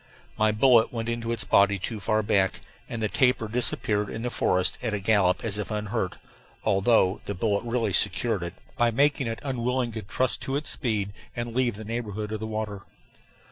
My bullet went into its body too far back, and the tapir disappeared in the forest at a gallop as if unhurt, although the bullet really secured it, by making it unwilling to trust to its speed and leave the neighborhood of the water.